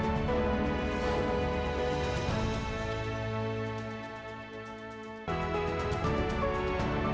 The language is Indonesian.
mereka juga menangani penyakit covid sembilan belas di jakarta